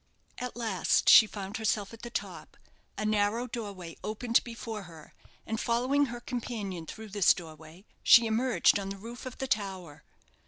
At last she found herself at the top. A narrow doorway opened before her; and following her companion through this doorway, she emerged on the roof of the tower.